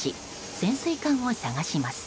潜水艦を捜します。